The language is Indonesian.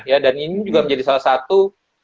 ya dan ini juga menjadi salah satu